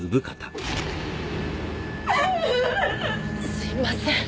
すいません。